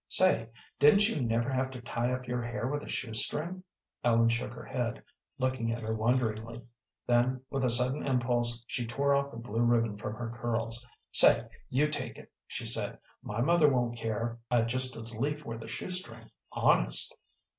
"Say, didn't you never have to tie up your hair with a shoe string?" Ellen shook her head, looking at her wonderingly. Then with a sudden impulse she tore off the blue ribbon from her curls. "Say, you take it," she said, "my mother won't care. I'd just as lief wear the shoe string, honest."